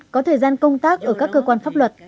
có thời gian công tác ở các cơ quan pháp luật